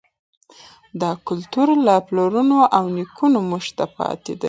دا کلتور له پلرونو او نیکونو موږ ته پاتې دی.